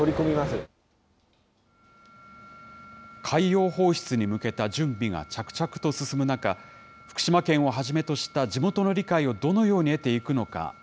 海洋放出に向けた準備が着々と進む中、福島県をはじめとした地元の理解をどのように得ていくのか。